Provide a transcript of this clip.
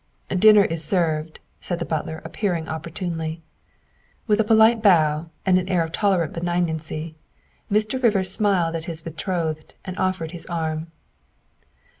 '' Dinner is served, '' said the butler, appearing oppor tunely. With a polite bow and an air of tolerant benignancy Mr. Rivers smiled at his betrothed and offered his arm.